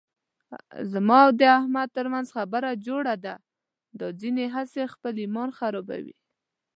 زما او د احمد ترمنځ خبره جوړه ده، دا ځنې هسې خپل ایمان خرابوي.